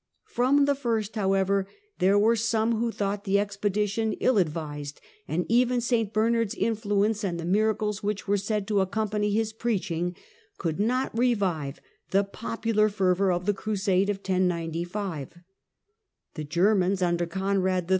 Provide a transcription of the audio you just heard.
From the first, liowever, there were some who thought the expedition ill advised, and even St Bernard's influence, and the miracles which were said to accompany his preaching, could not revive the popular fervour of the Crusade of 1095. The Germans under Conrad III.